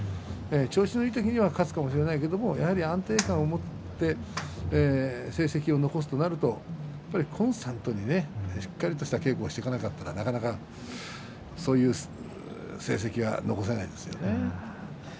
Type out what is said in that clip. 調子のいい時は勝つかもしれないけれども安定感を持って成績を残すとなるとコンスタントにしっかりとした稽古をしていかないとなかなか、そういう成績は残せないですよね。